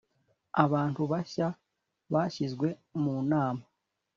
Abantu bashya bashyizwe mu Nama.